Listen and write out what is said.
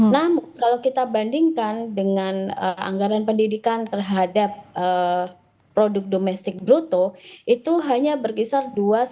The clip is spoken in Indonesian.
namun kalau kita bandingkan dengan anggaran pendidikan terhadap produk domestik bruto itu hanya berkisar